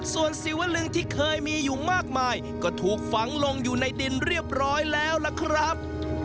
ส่วนศิวลึงที่เคยมีอยู่มากมายก็ถูกฝังลงอยู่ในดินเรียบร้อยแล้วล่ะครับ